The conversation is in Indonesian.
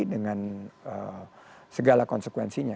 dengan segala konsekuensinya